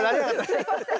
すいません。